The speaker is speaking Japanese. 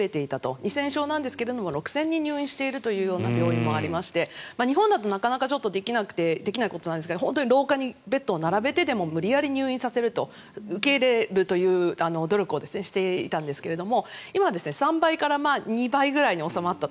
２０００床なんですが６０００人入院していたという病院もありまして日本だとなかなかできないことなんですが廊下にベッドを並べてでも無理やり入院させると受け入れるという努力をしていたんですが今、３倍から２倍ぐらいに収まったと。